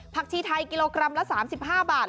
ชีไทยกิโลกรัมละ๓๕บาท